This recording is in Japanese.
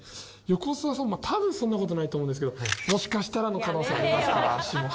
横澤さん多分そんな事ないと思うんですけどもしかしたらの可能性ありますから足も。